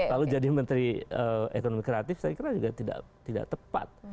lalu jadi menteri ekonomi kreatif saya kira juga tidak tepat